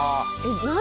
何？